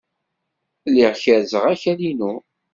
Lliɣ kerrzeɣ akal-inu.